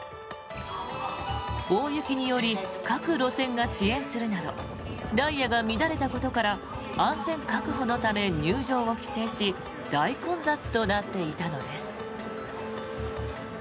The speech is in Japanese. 大雪により各路線が遅延するなどダイヤが乱れたことから安全確保のため入場を規制し大混雑となっていたのです。